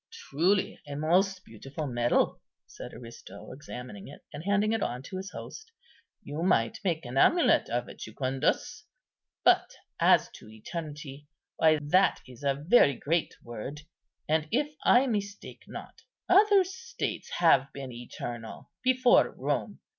"Truly, a most beautiful medal," said Aristo, examining it, and handing it on to his host. "You might make an amulet of it, Jucundus. But as to eternity, why, that is a very great word; and, if I mistake not, other states have been eternal before Rome.